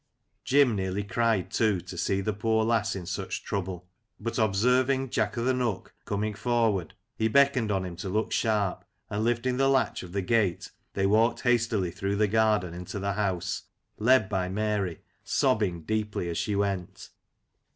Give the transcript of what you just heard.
Jim nearly cried too to see the poor lass in such trouble, but, observing Jack o'th' Nook coming forward, he beckoned on him to look sharp, and, lifting the latch of the gate, they walked hastily through the garden into the house, led by Mary, sobbing deeply as she went.